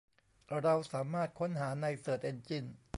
เราสามารถค้นหาในเสิร์ชเอ็นจิ้น